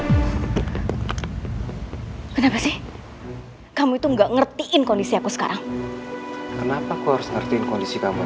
kenapa sih kamu itu nggak ngertiin kondisi aku sekarang kenapa aku harus ngerti kondisi kamu